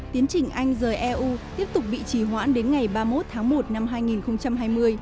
tiến trình anh rời eu tiếp tục bị trì hoãn đến ngày ba mươi một tháng một năm hai nghìn hai mươi